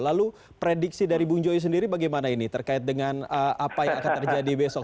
lalu prediksi dari bung joy sendiri bagaimana ini terkait dengan apa yang akan terjadi besok